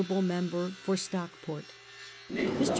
member for Stockport.' Mr.